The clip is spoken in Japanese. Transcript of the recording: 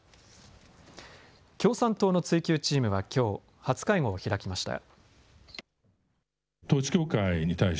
共産党の追及チームはきょう初会合を開きました。